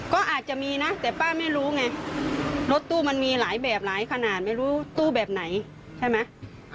ก็อาจจะมีนะแต่ป้าไม่รู้ไงรถตู้มันมีหลายแบบหลายขนาดไม่รู้ตู้แบบไหนใช่ไหม